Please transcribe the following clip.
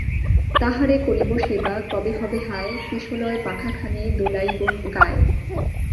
তাঁহারে করিব সেবা, কবে হবে হায়– কিশলয়-পাখাখানি দোলাইব গায়?